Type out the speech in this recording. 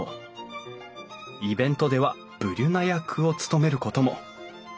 イベントではブリュナ役を務めることも！